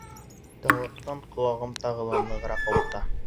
Тынлыҡтан ҡолағым тағы ла нығыраҡ ауырта.